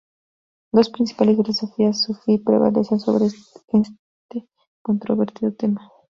Dos principales filosofías sufí prevalecen sobre este controvertido tema.